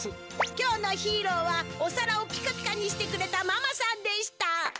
今日のヒーローはおさらをピカピカにしてくれたママさんでした！